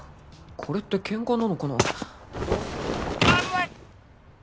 これってケンカなのかなあぶっ。